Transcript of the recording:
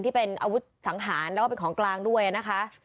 ที่เป็นอาวุธสังหารแล้วก็เป็นของกลางด้วยนะคะ